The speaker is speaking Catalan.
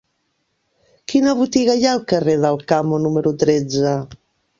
Quina botiga hi ha al carrer d'Alcamo número tretze?